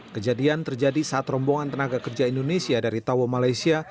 kejadian terjadi saat rombongan tenaga kerja indonesia dari tawo malaysia